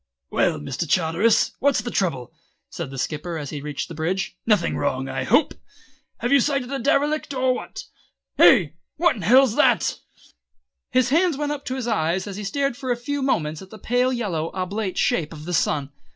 "Well, Mr. Charteris, what's the trouble?" said the Skipper as he reached the bridge. "Nothing wrong, I hope? Have you sighted a derelict, or what? Ay, what in hell's that!" His hands went up to his eyes and he stared for a few moments at the pale yellow oblate shape of the sun.